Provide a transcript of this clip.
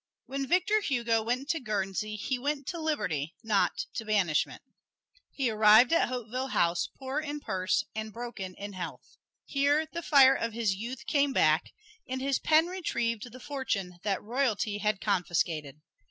When Victor Hugo went to Guernsey he went to liberty, not to banishment. He arrived at Hauteville House poor in purse and broken in health. Here the fire of his youth came back, and his pen retrieved the fortune that royalty had confiscated.